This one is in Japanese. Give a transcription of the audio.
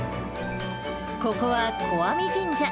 ここは小網神社。